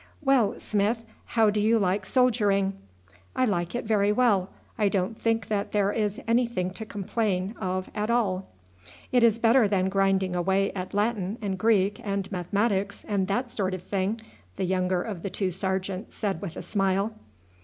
"Well, Smith, how do you like soldiering?" "I like it very well; I don't think that there is anything to complain of at all." "It is better than grinding away at Latin and Greek and mathematics, and that sort of thing," the younger of the two sergeants said with a smile.